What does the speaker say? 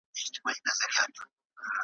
نه را ګرځي بیا د اوسپني په ملو ,